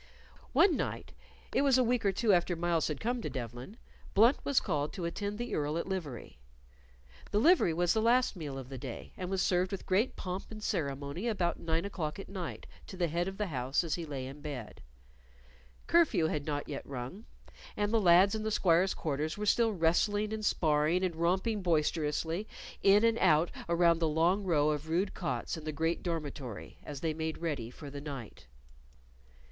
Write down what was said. One night it was a week or two after Myles had come to Devlen Blunt was called to attend the Earl at livery. The livery was the last meal of the day, and was served with great pomp and ceremony about nine o'clock at night to the head of the house as he lay in bed. Curfew had not yet rung, and the lads in the squires' quarters were still wrestling and sparring and romping boisterously in and out around the long row of rude cots in the great dormitory as they made ready for the night.